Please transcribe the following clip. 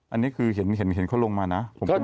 อันนี้คือเห็นเขาลงมานะ